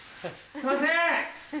すいません！